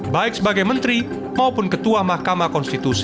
baik sebagai menteri maupun ketua mahkamah konstitusi